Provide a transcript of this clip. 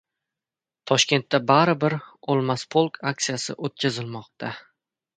Toshkentda baribir «O‘lmas polk» aksiyasi o‘tkazilmoqda